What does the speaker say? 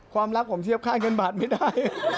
ความรักผมเทียบค่าเงินบาทไม่ได้